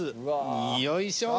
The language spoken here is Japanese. よいしょ。